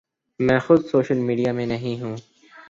میں خود social media میں نہیں ہوں۔